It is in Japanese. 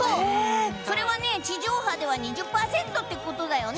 それは地上波では２０％ってことだよね。